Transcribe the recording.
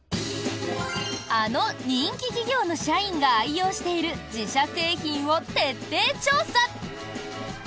あの人気企業の社員が愛用している自社製品を徹底調査。